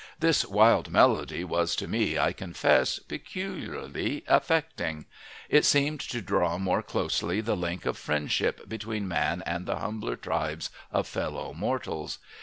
This wild melody was to me, I confess, peculiarly affecting. It seemed to draw more closely the link of friendship between man and the humbler tribes of fellow mortals.